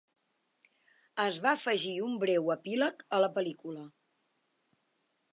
Es va afegir un breu epíleg a la pel·lícula.